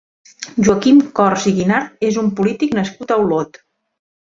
Joaquim Cors i Guinart és un polític nascut a Olot.